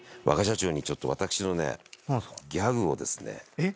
えっ⁉